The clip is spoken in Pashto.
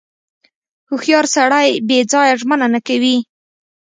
• هوښیار سړی بې ځایه ژمنه نه کوي.